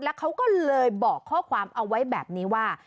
แล้วเขาก็เลยบอกข้อความเอาไว้แบบนี้ว่า